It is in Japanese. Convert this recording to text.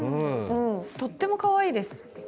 とってもかわいいです。